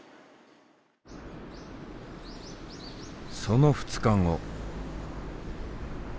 その２日後。